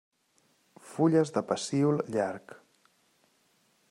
Fulles de pecíol llarg.